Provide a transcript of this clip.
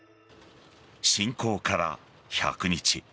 侵攻から１００日。